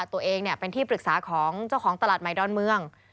ตัวเองเป็นที่ปรึกษาของเจ้าของตลาดใหม่ดอนเมือง